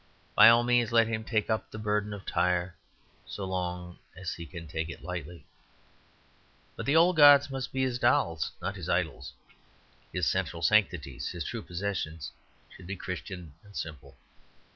By all means let him take up the Burden of Tyre, so long as he can take it lightly. But the old gods must be his dolls, not his idols. His central sanctities, his true possessions, should be Christian and simple.